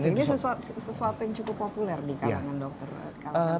ini sesuatu yang cukup populer di kalangan dokter kalangan